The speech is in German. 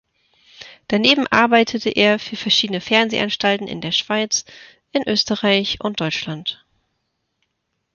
Daneben arbeitete er für verschiedene Fernsehanstalten in der Schweiz, in Österreich und Deutschland.